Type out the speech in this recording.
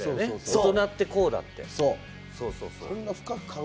大人ってこうだって。